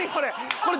これ。